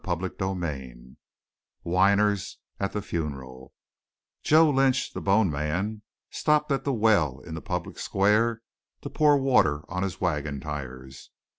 CHAPTER XXII WHINERS AT THE FUNERAL Joe Lynch, the bone man, stopped at the well in the public square to pour water on his wagon tires.